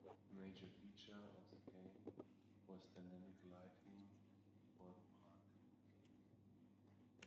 A major feature for the game was dynamic lighting for the park.